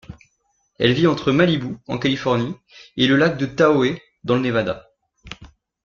Elle vit entre Malibu, en Californie et le lac Tahoe, dans le Nevada.